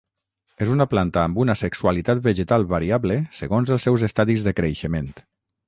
És una planta amb una sexualitat vegetal variable segons els seus estadis de creixement.